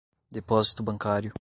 depósito bancário